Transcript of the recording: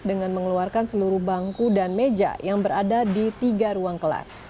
dengan mengeluarkan seluruh bangku dan meja yang berada di tiga ruang kelas